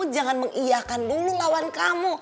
jangan mengiyahkan dulu lawan kamu